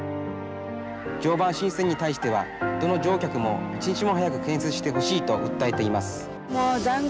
常磐新線に対しては、どの乗客も一日も早く建設してほしいともう残酷。